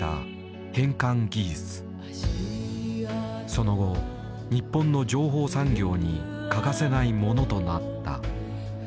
その後日本の情報産業に欠かせないものとなった。